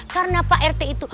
karena pak rt itu